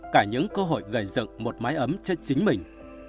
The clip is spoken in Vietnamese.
cả những cơ hội gầy dựng một mái ấm cho chính mình